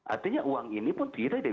artinya uang ini pun tidak